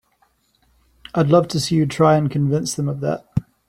I'd love to see you try and convince them of that!